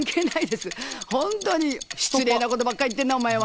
失礼なことばっかり言ってんな、お前は。